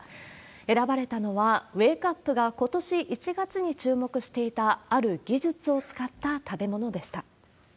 選ばれたのは、ウェークアップがことし１月に注目していた、ある技術を使った食べ物でした。